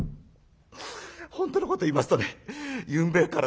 本当のこと言いますとねゆんべから